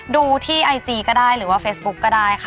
ดูที่ไอจีก็ได้หรือว่าเฟซบุ๊กก็ได้ค่ะ